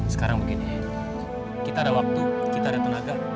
sekarang begini kita ada waktu kita ada tenaga